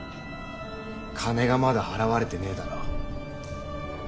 金がまだ払われてねえだろ。